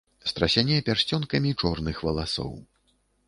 Страсяне пярсцёнкамі чорных валасоў.